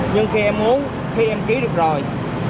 nhưng khi em uống khi em ký được rồi